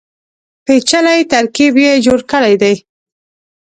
پېچلی ترکیب یې جوړ کړی دی.